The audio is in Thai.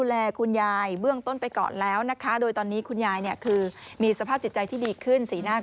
ร้ายมากกับแม่ตัวเองนะ